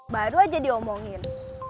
baru aja diomongin